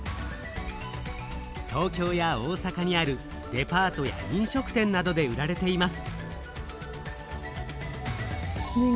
東京や大阪にあるデパートや飲食店などで売られています。